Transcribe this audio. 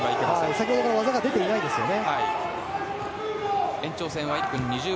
先ほどから技が出ていないですよね。